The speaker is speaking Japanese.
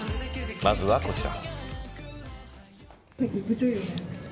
まずはこちら。